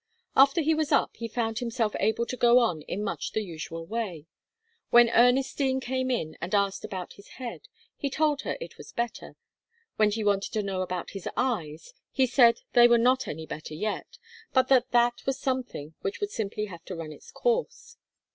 After he was up he found himself able to go on in much the usual way. When Ernestine came in and asked about his head, he told her it was better; when she wanted to know about his eyes, he said they were not any better yet, but that that was something which would simply have to run its course.